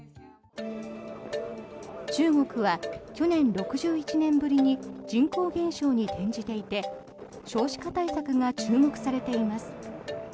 中国は去年、６１年ぶりに人口減少に転じていて少子化対策が注目されています。